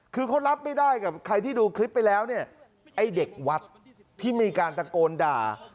คือเขารับไม่ได้กับใครที่ดูคลิปไปแล้วเนี่ยไอ้เด็กวัดที่มีการตะโกนด่า